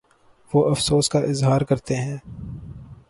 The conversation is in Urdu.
وہ افسوس کا اظہارکرتے ہیں